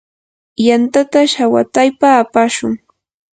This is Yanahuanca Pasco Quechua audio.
yantata shawataypa apashun.